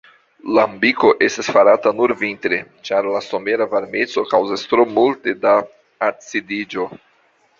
Lambiko estas farata nur vintre, ĉar la somera varmeco kaŭzas tro multe da acidiĝo.